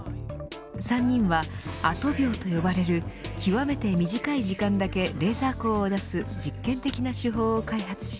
３人はアト秒と呼ばれる極めて短い時間だけレーザー光を出す実験的な手法を開発し